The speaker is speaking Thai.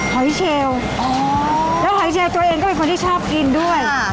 หอยเชลหอยเชลตัวเองก็เป็นคนชอบกินด้วย